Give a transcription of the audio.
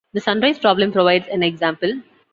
The "sunrise problem" provides an example.